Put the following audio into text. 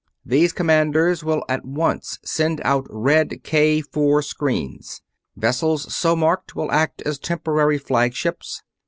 Those commanders will at once send out red K4 screens. Vessels so marked will act as temporary flagships.